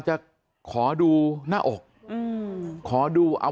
แล้วทีนี้พอคุยมา